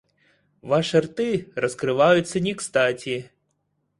Ваши рты раскрываются некстати.